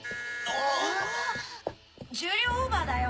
重量オーバーだよ。